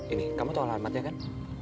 ini kamu tuh alamatnya kan